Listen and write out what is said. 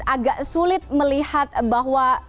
agak sulit melihat bahwa